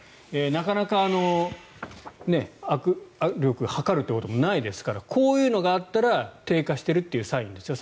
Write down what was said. なかなか握力を測ることもないですからこういうのがあったら低下しているというサインですよ。